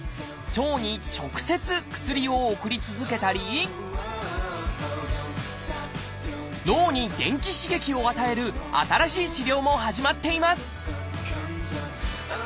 腸に直接薬を送り続けたりを与える新しい治療も始まっています